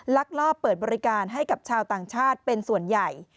ลักลอบเปิดบริการให้กับชาวต่างชาติเป็นส่วนใหญ่